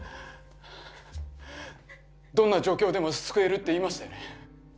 「どんな状況でも救える」って言いましたよね？